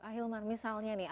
ahilmar misalnya nih